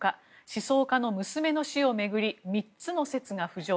思想家の娘の死を巡り３つの説が浮上。